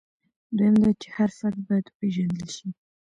دویم دا چې هر فرد باید وپېژندل شي.